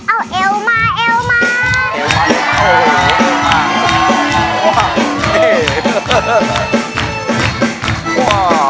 เอาเอวมาเอวมา